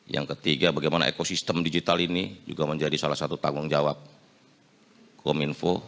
yang ketiga bagaimana ekosistem digital ini juga menjadi salah satu tanggung jawab kominfo